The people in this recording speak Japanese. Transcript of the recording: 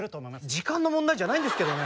時間の問題じゃないんですけどね。